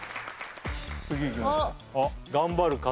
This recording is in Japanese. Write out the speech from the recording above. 次いきますか。